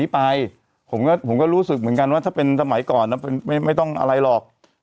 ผมผมก็รู้สึกเหมือนกันว่าถ้าเป็นสมัยก่อนไม่ต้องอะไรหรอก